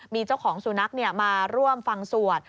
มีเจ้าของสุนัขมาร่วมฟังสวด